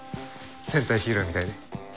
戦隊ヒーローみたいで。